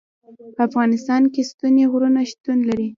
په افغانستان کې ستوني غرونه شتون لري.